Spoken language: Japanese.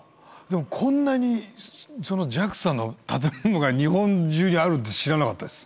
でもこんなにＪＡＸＡの建物が日本中にあるって知らなかったです。